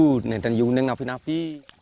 kami tidak tahu apa yang akan terjadi